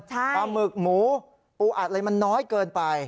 ปลาหมึกหมูปูอัดอะไรมันน้อยเกินไป